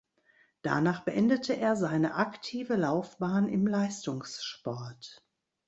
Danach beendete er seine aktive Laufbahn im Leistungssport.